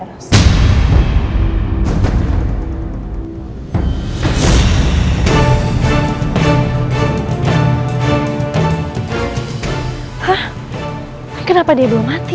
hah kenapa dia belum mati